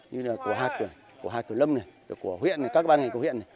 như là của hạt của lâm của huyện các ban ngành của huyện